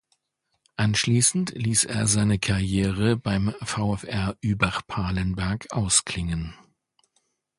Anschließend ließ er seine Karriere beim VfR Übach-Palenberg ausklingen.